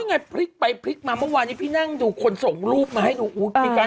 นี่ไงพลิกไปพลิกมาเมื่อวานนี้พี่นั่งดูคนส่งรูปมาให้ดู